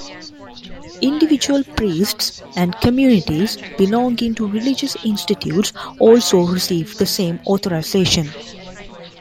Individual priests and communities belonging to religious institutes also received the same authorization.